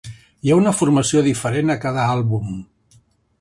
Hi ha una formació diferent a cada àlbum.